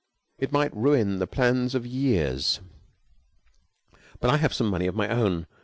It might ruin the plans of years. But I have some money of my own.